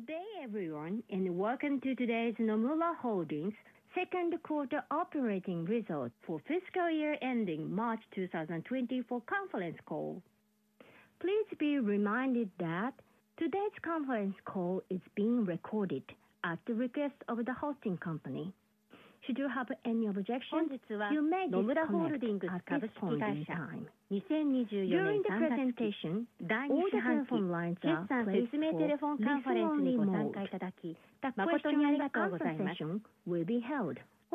Good day, everyone, and welcome to today's Nomura Holdings second quarter operating results for fiscal year ending March 2024 conference call. Please be reminded that today's conference call is being recorded at the request of the hosting company. Should you have any objections, you may disconnect at this point at any time. During the presentation, all the phone lines are placed in listen only mode. Please note that this conference call contains certain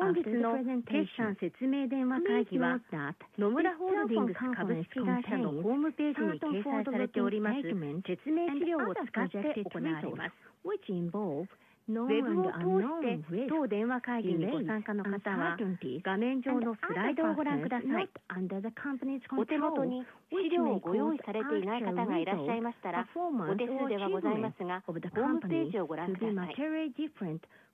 forward-looking statements and other projective materials, which involve known and unknown risks, uncertainties and other factors beyond the company's control, which may cause actual results, performance, or achievements of the company to be materially different from the results, performance, or other expectations implied by those statements. Such factors include economic and market conditions, political events, and the impact of changes in the ability of secondary markets and liquidity, interest rates, currency exchange rates, security valuation, competitive conditions, and size, number, and timing of transactions. With that, we would like to begin the conference. Mr. Takumi Kitamura, Chief Financial Officer. はい、皆さんこんばんは。CFOの北村です。それではお手元の決算説明資料に沿って、2024年3月上半期、および第2四半期の決算についてご説明します。まず上半期決算です。2ページをご覧ください。全社収益は¥719,700,000,000、前年同期比16%の増収。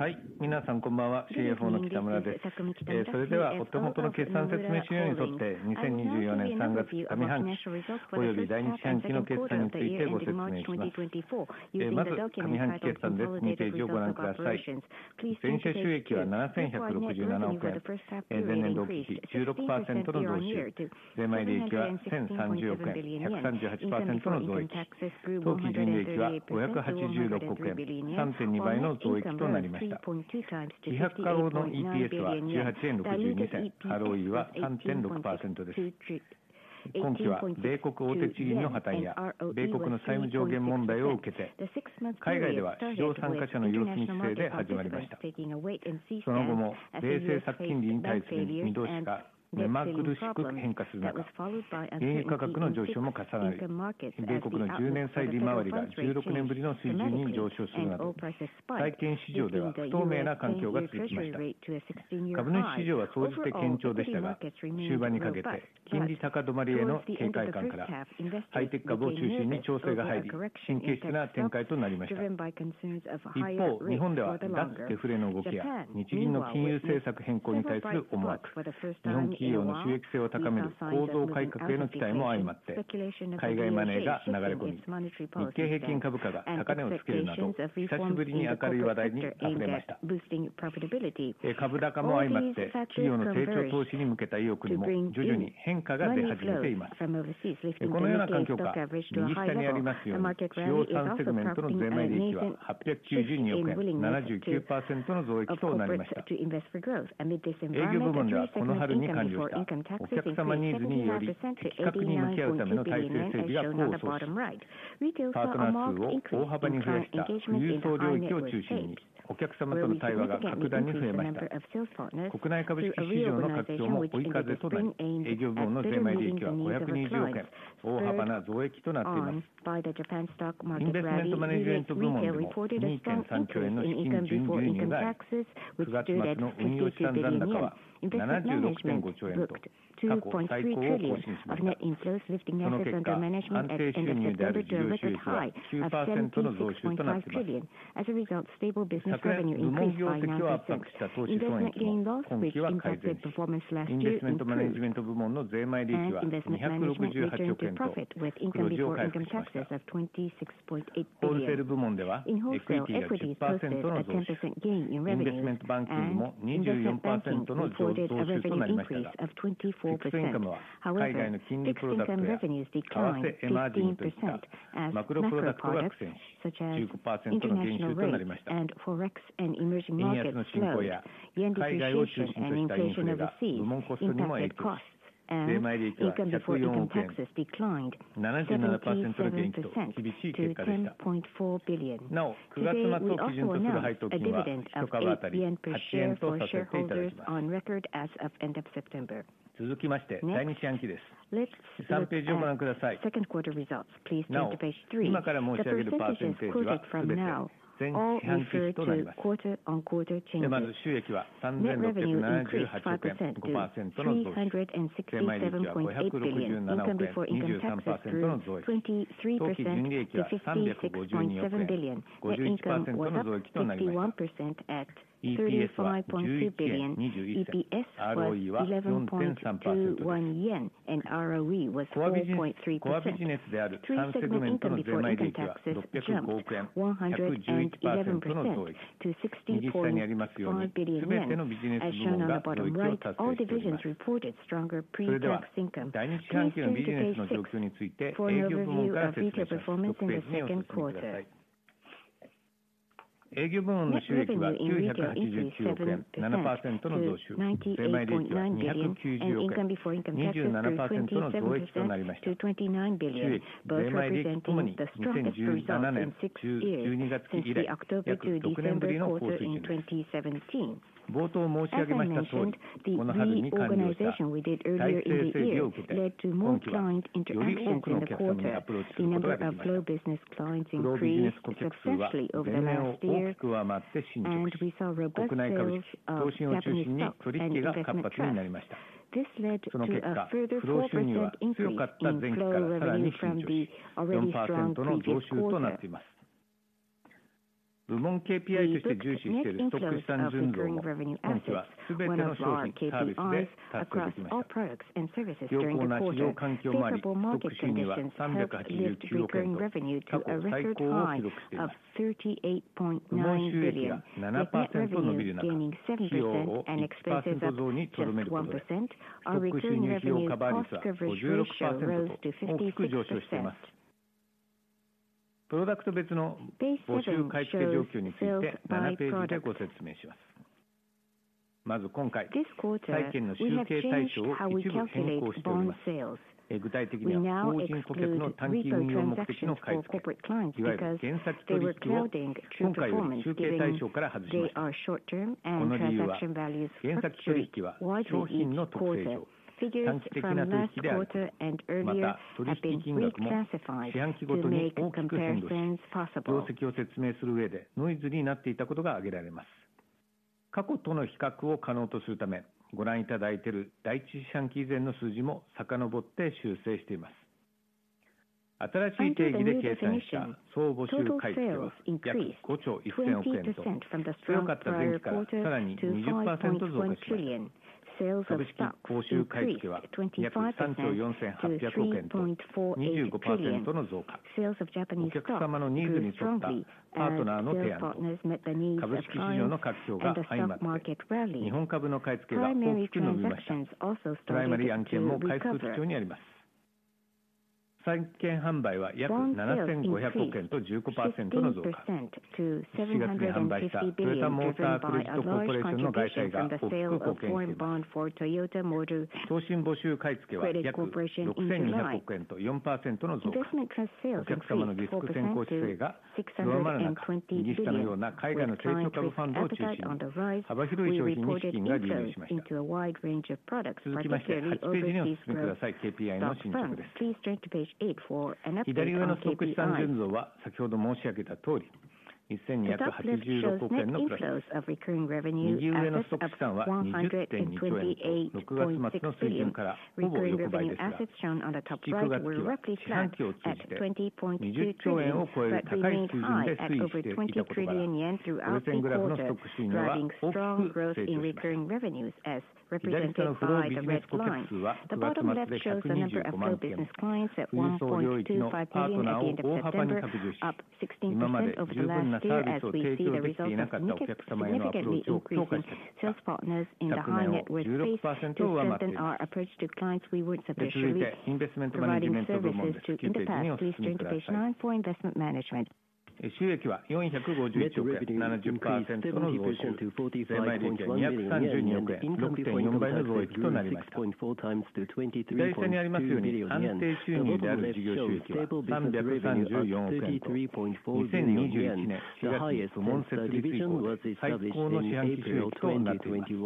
円安の進行や海外を中心としたインフレが部門コストにも影響し、税前利益は¥104億円、77%の減益と厳しい結果でした。なお、9月末基準とする配当金は1株当たり¥8円とさせていただきます。続きまして、第2四半期です。3ページをご覧ください。なお、今から申し上げるパーセンテージはすべて前四半期比となります。まず、収益は¥3,678億円、5%の増収。税前利益は¥567億円、23%の増収。当期純利益は¥352億円、51%の増益となりました。EPSは¥11.21、ROEは4.3%。コアビジネス、コアビジネスである三セグメントの税前利益は600億円、111%の増益。右下にありますように、すべてのビジネス部門が増益を達成しています。それでは、第二四半期のビジネスの状況について、営業部門から説明します。六ページをお進みください。Net revenue in region increased 7% to billion and income before income taxes grew 27% to ¥29 billion, both representing the strongest results in six years since the October to December quarter in 2017. As I mentioned, the reorganization we did earlier in the year led to more client interaction in the quarter. The number of flow business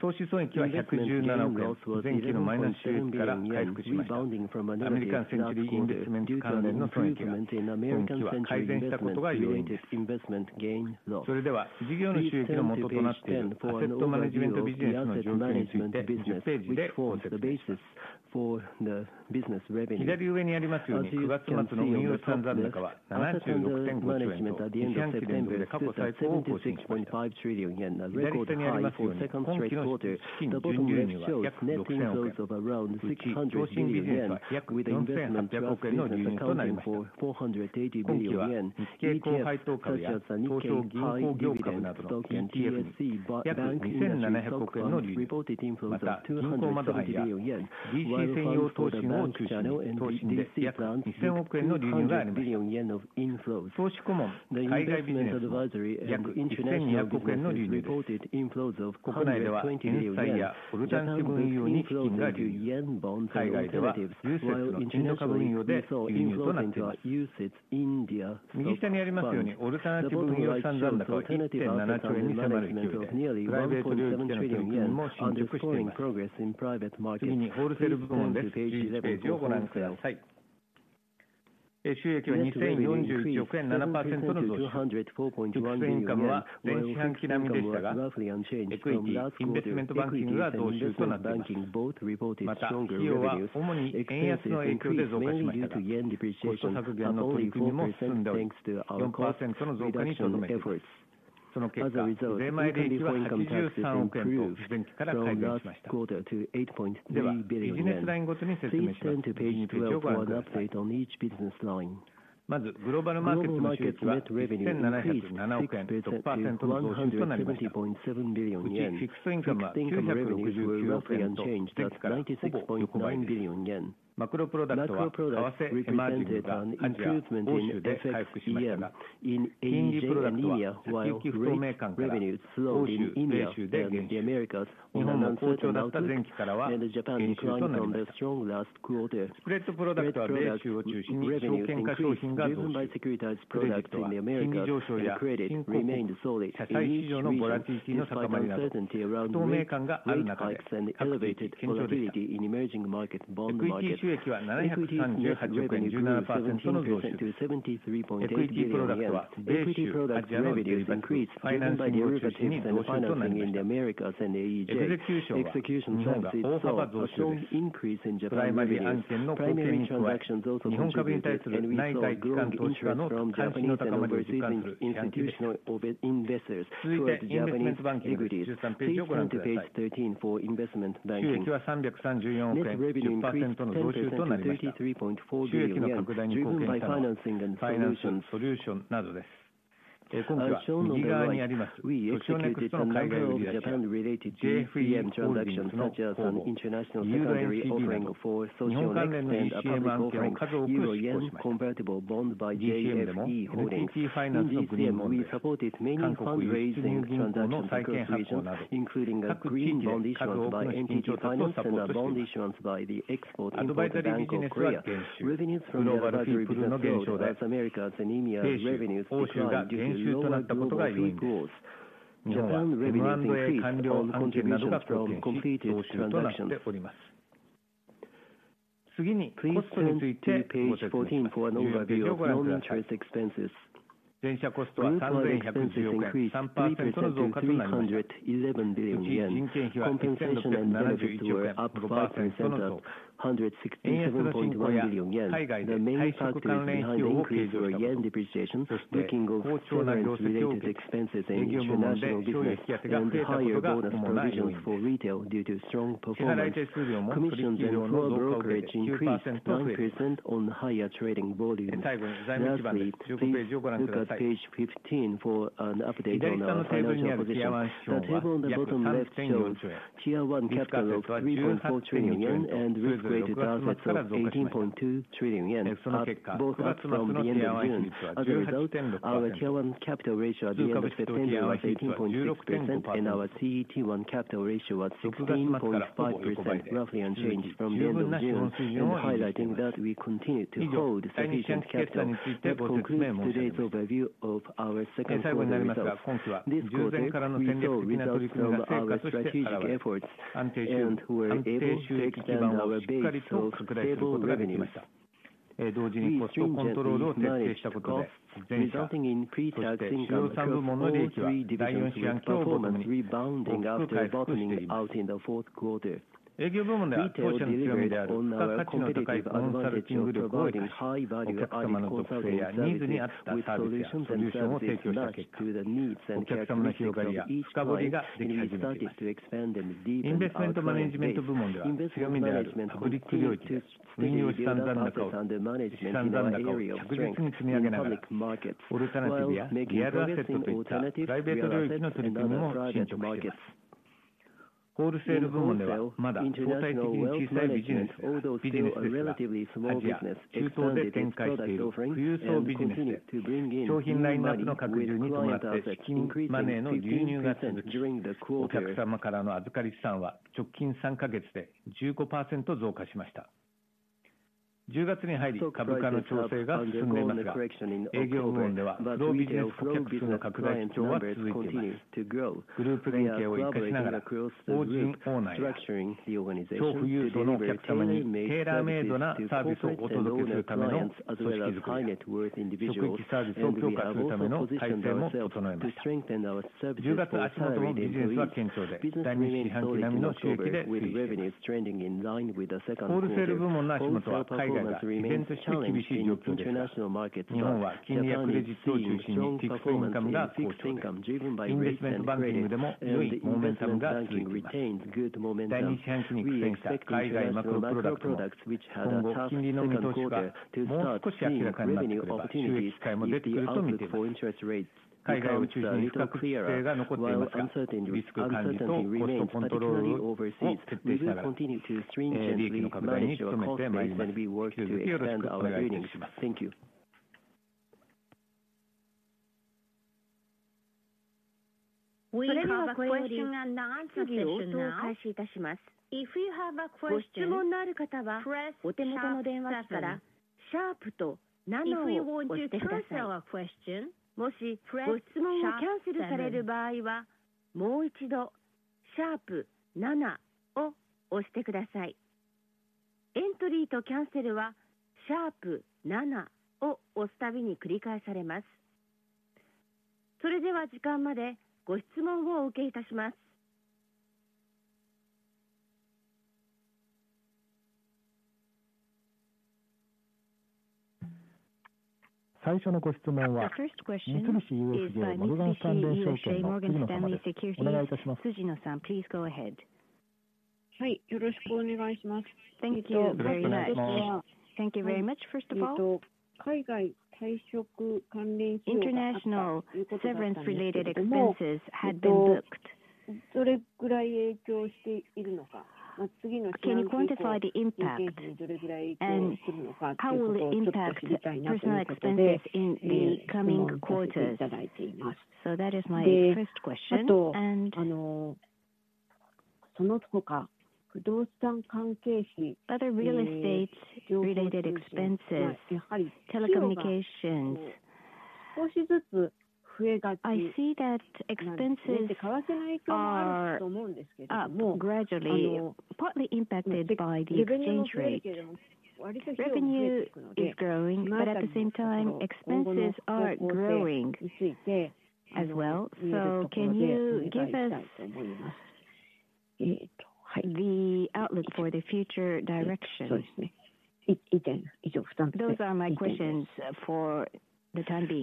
clients increased successfully over the last year, and we saw robust sales of Japanese stock and investment trust. This led risk-weighted assets of ¥18.2 trillion, up both from the end of June. As a result, our tier interest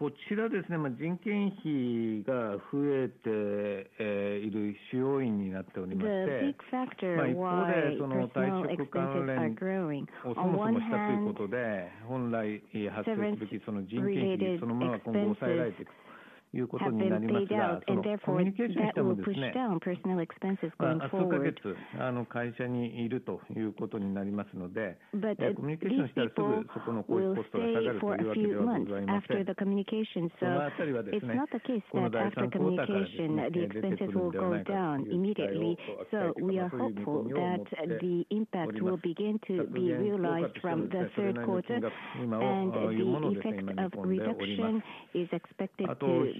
rates becomes a little clearer. While uncertainty remains at extremely over seas, we will continue to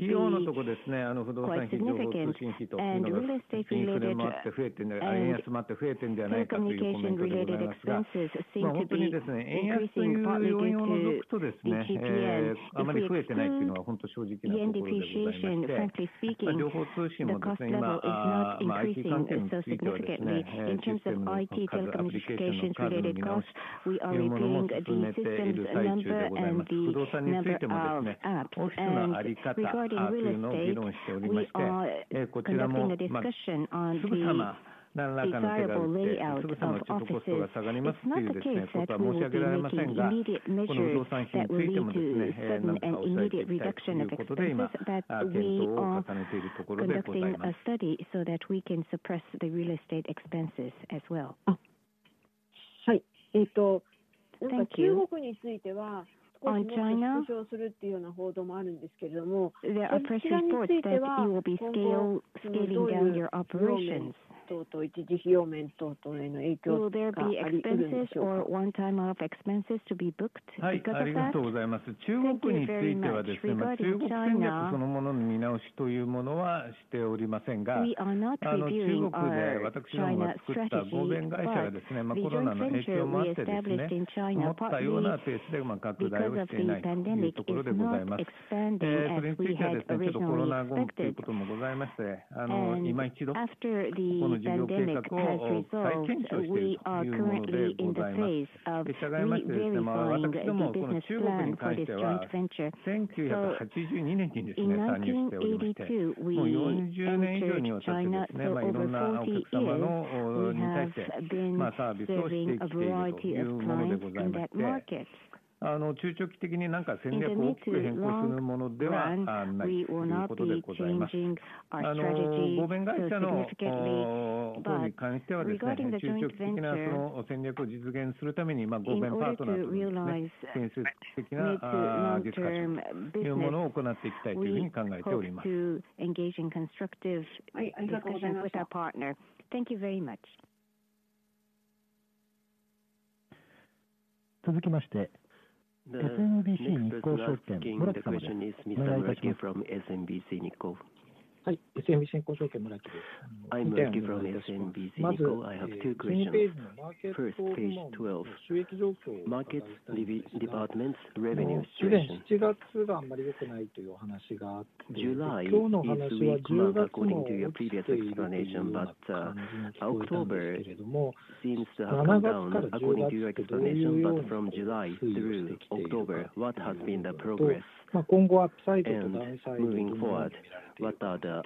strengthen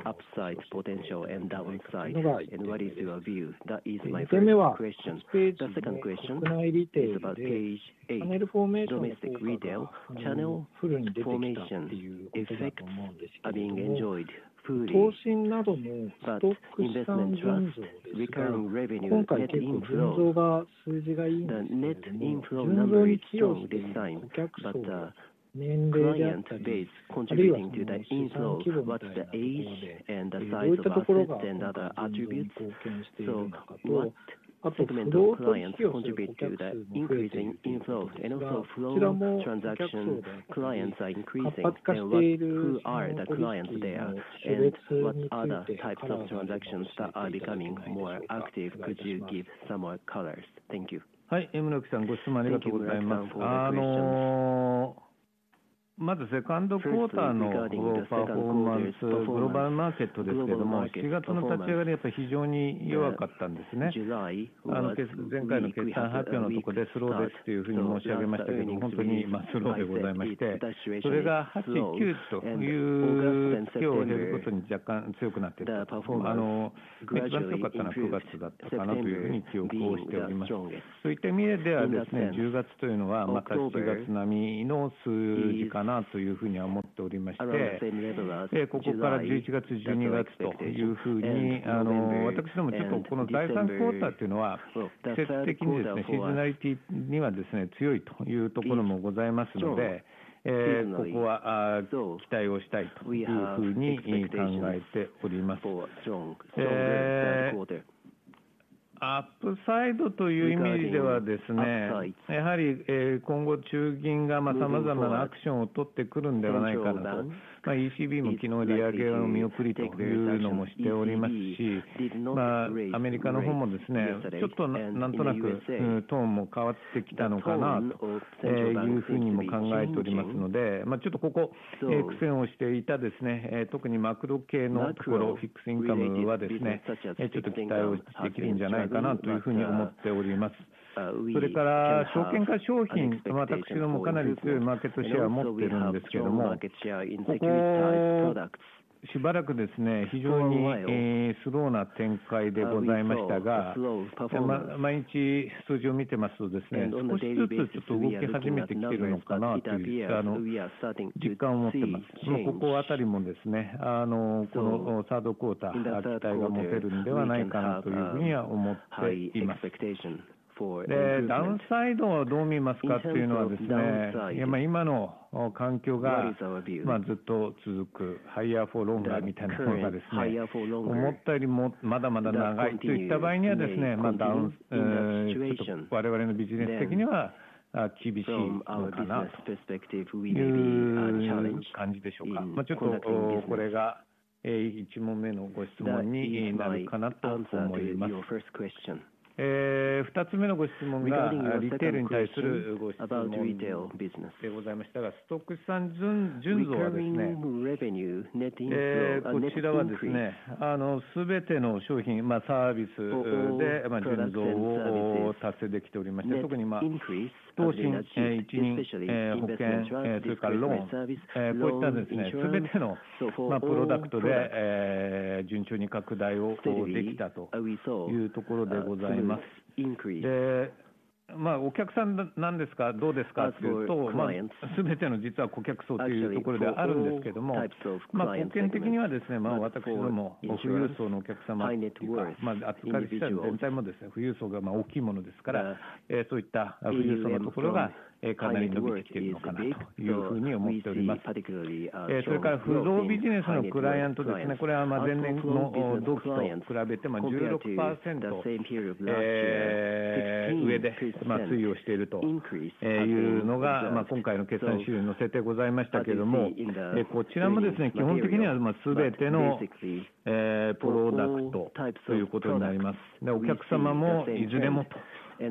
risk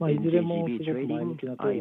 management, our cost base, and we work to expand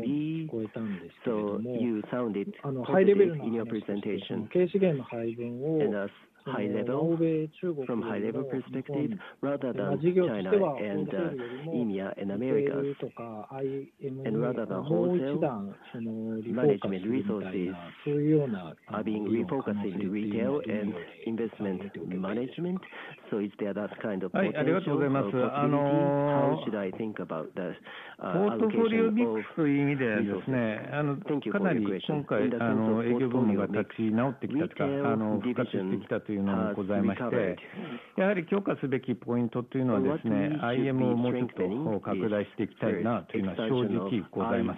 our business. Thank you. それでは、質問と回答を開始いたします。ご質問のある方は、お手元の電話機からシャープと7を押してください。もしご質問をキャンセルされる場合は、もう一度シャープ7を押してください。エントリーとキャンセルはシャープ7を押すたびに繰り返されます。それでは時間までご質問をお受けいたします。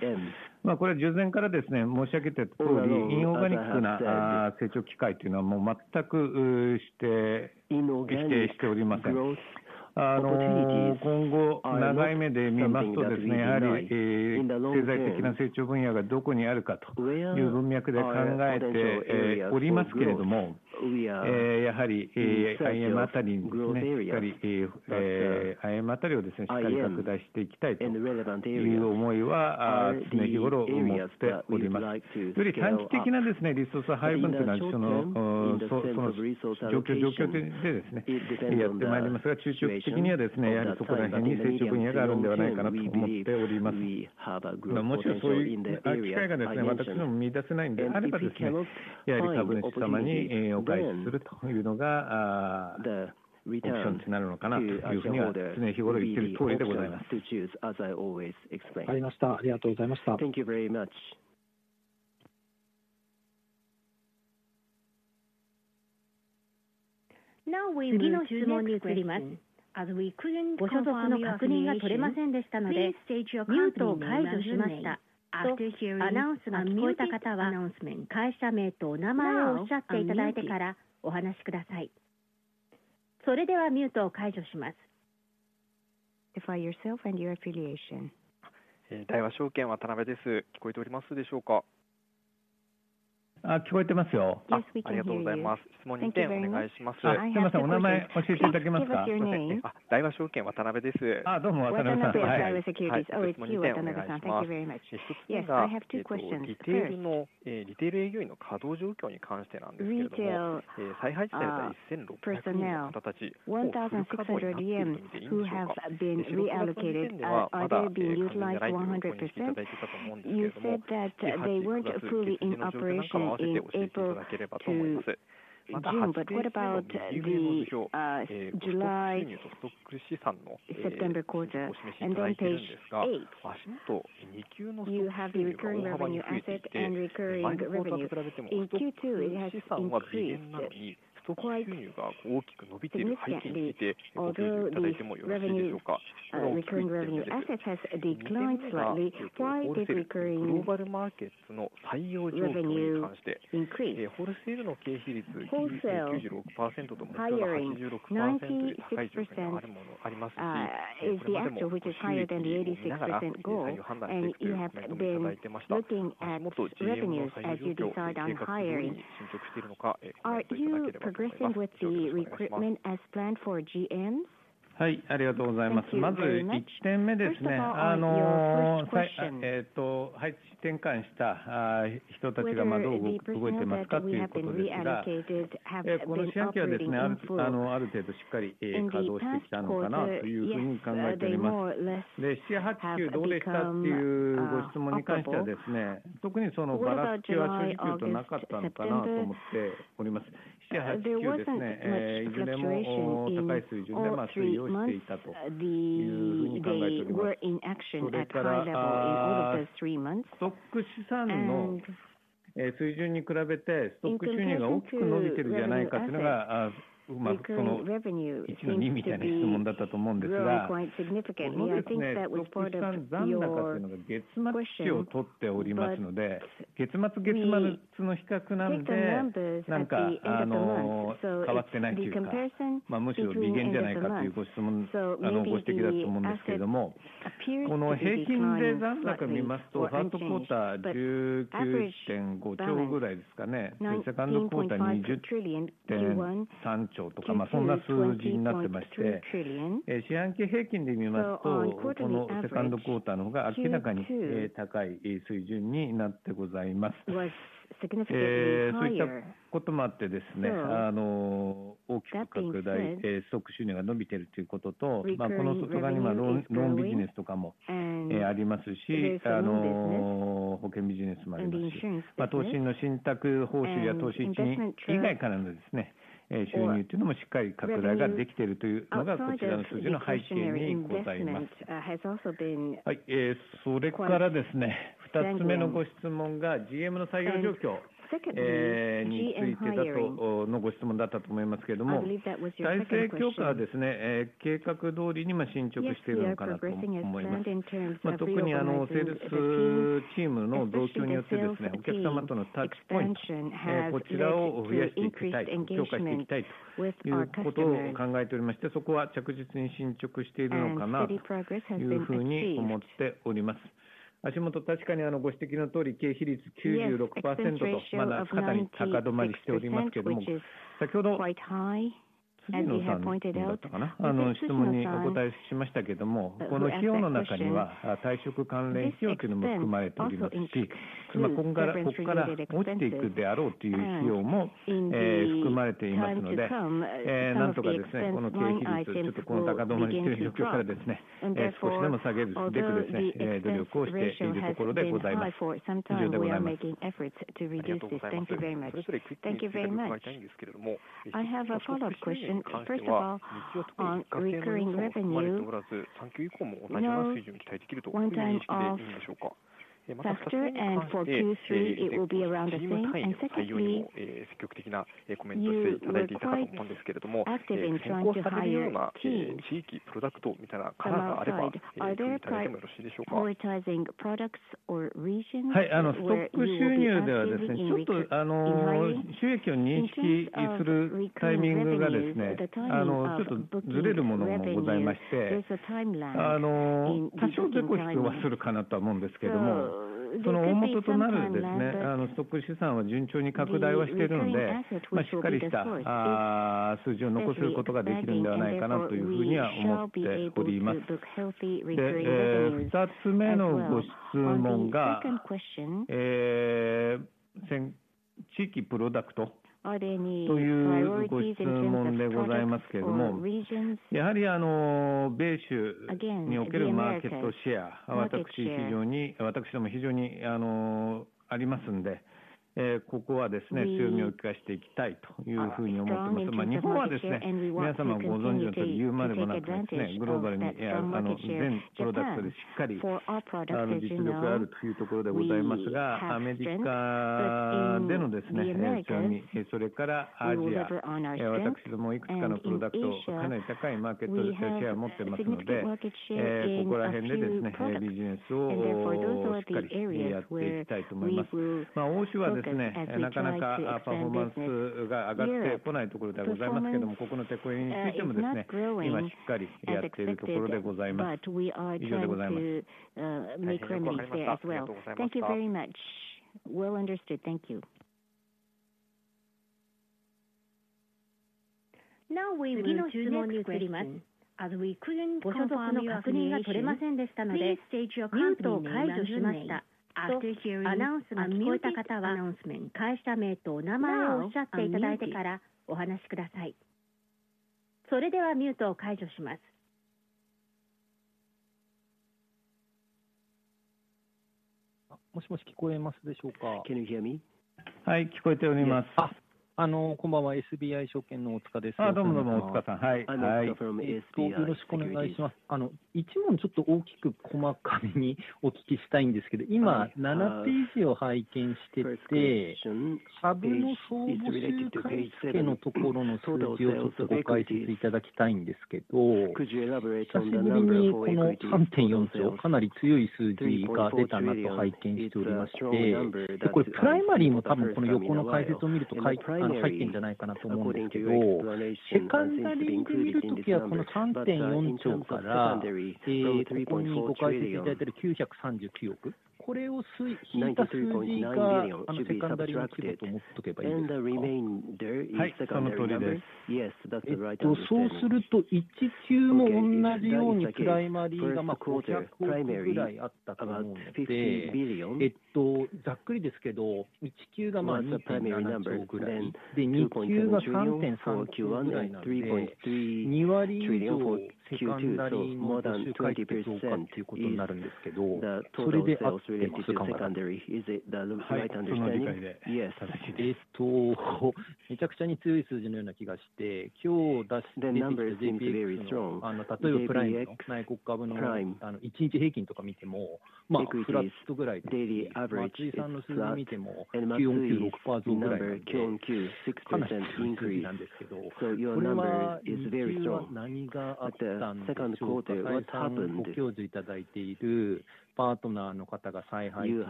最初のご質問は、三菱UFJモルガンスタンレー証券の辻野様です。お願いいたします。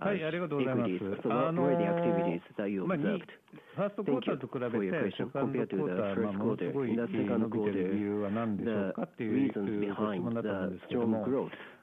いずれも高い水準で運用していたというふうに考えております。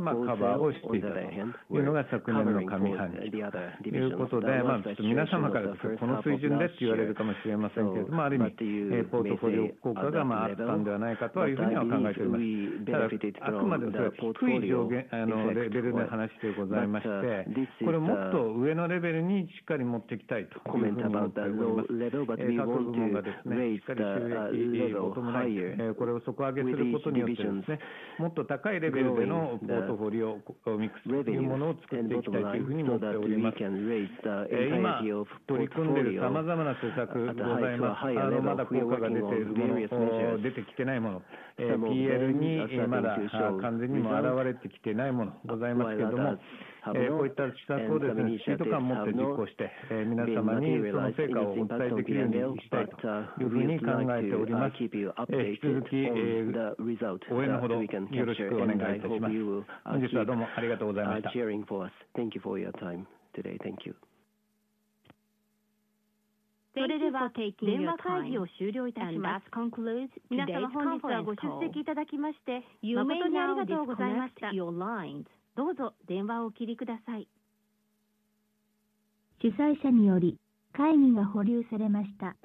はい、皆様、本日はどうもありがとうございました。この半期をですね、振り返ってみますと、皆様からお言葉をいただきましたけれども、リテール、IM、リテールビジネスラインが非常に好調。一方でホールセールがスローだったというところでございます。一方で、昨年の上半期を振り返ってみるとですね、全くその逆だったと思います。リテール、それからIMは苦戦しておりまして、ホールセールがカバーをしていたというのが昨年の上半期ということで、皆様からこの水準でって言われるかもしれませんけども、ある意味ポートフォリオ効果があったんではないかというふうには考えております。